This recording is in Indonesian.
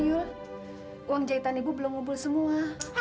uang jahitan ibu belum ngubul semua